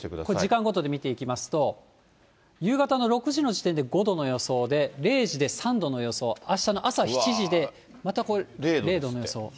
これ、時間ごとで見ていきますと、夕方の６時の時点で５度の予想で、０時で３度の予想、あしたの朝７時でまた０度の予想。